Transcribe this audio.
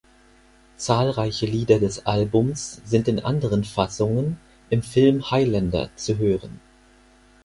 Zahlreiche Lieder des Albums sind in anderen Fassungen im Film "Highlander" zu hören.